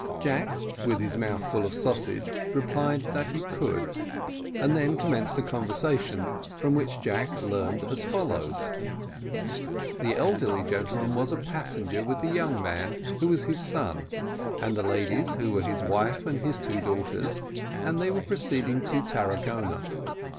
Jack, with his mouth full of sausage, replied that he could; and then commenced a conversation, from which Jack learned as follows: The elderly gentleman was a passenger with the young man, who was his son, and the ladies, who were his wife and his two daughters, and they were proceeding to Tarragona.